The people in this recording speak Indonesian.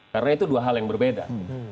karena itu dua hal yang berbeda